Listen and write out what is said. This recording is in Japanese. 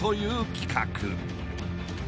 企画］